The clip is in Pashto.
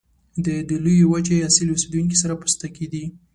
د دې لویې وچې اصلي اوسیدونکي سره پوستکي دي.